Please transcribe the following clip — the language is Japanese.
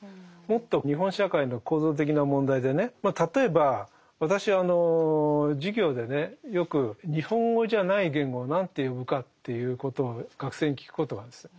もっと日本社会の構造的な問題でねまあ例えば私あの授業でねよく日本語じゃない言語を何て呼ぶかということを学生に聞くことがあるんです。